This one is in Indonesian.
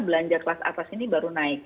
belanja kelas atas ini baru naik